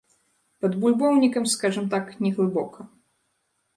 Пад бульбоўнікам, скажам так, не глыбока.